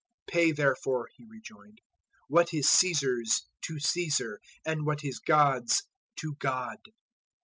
"Pay therefore," He rejoined, "what is Caesar's to Caesar; and what is God's to God."